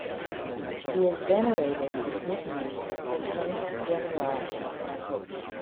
He is venerated in Brittany as Saint Denoual.